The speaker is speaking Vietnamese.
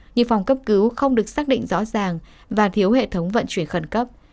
nhiều phòng cấp cứu không được xác định rõ ràng và thiếu hệ thống vận chuyển khẩn cấp